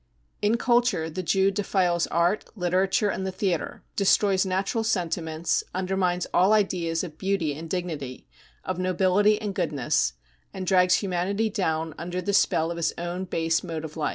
... In culture the Jew defiles art, literature and the theatre, destroys natural sentiments, undermines all ideas of beauty and dignity, of nobility and goodness, and drags humanity down under the spell of his own base mode of life